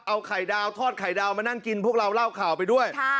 เอาไข่ดาวทอดไข่ดาวมานั่งกินพวกเราเล่าข่าวไปด้วย